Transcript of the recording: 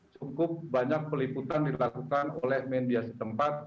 cukup banyak peliputan dilakukan oleh media setempat